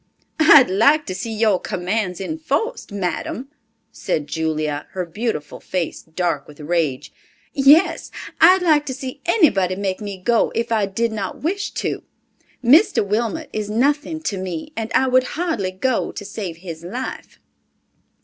"I'd like to see your commands enforced, Madam," said Julia, her beautiful face dark with rage. "Yes, I'd like to see anybody make me go if I did not wish to. Mr. Wilmot is nothing to me, and I would hardly go to save his life."